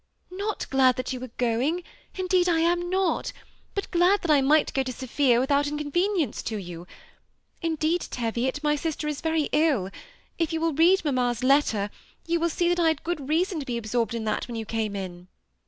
" Not glad that you were going ; indeed I am not ; but glad that I might go to Sophia without inconven ience to you. Indeed, Teviot, my sister is very ill. If you will read mamma's letter, you will see that I had good reason to be absorbed in that, when you came in."